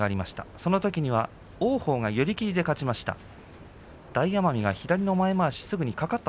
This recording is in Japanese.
そのときは王鵬が寄り切りで勝ちました。